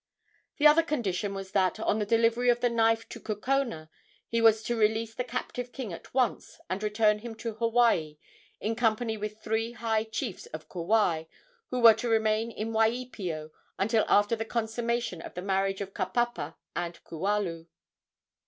The other condition was that, on the delivery of the knife to Kukona, he was to release the captive king at once, and return him to Hawaii in company with three high chiefs of Kauai, who were to remain in Waipio until after the consummation of the marriage of Kapapa and Kualu.